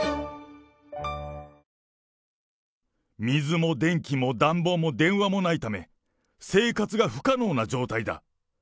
水も電気も暖房も電話もないため、生活が不可能な状態だ。